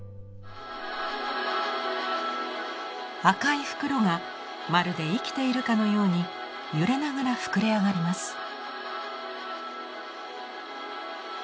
赤い袋がまるで生きているかのように揺れながら膨れ上がります。